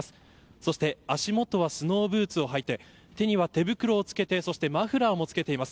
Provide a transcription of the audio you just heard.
そして足元はスノーブーツを履いて、手には手袋つけてマフラーも着けています。